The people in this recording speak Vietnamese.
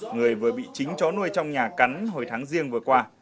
người vừa bị chính chó nuôi trong nhà cắn hồi tháng riêng vừa qua